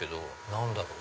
何だろう？